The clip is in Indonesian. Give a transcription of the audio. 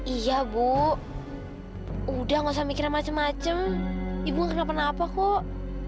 iya bu udah ga usah mikir macem macem ibu ga kenapa napa kok